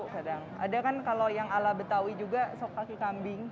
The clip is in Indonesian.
kadang ada kan kalau yang ala betawi juga sok kaki kambing